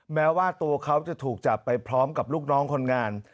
แม้ว่าตัวเขาจะถูกจับไปพร้อมกับลูกน้องคนงาน